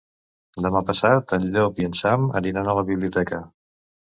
Demà passat en Llop i en Sam aniran a la biblioteca.